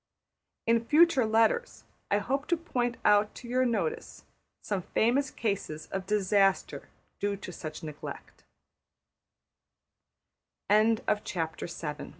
In future letters I hope to point out to your notice some famous cases of disaster due to such negle